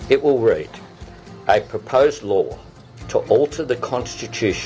ini akan membaca peraturan yang ditandatangani untuk mengubah konstitusi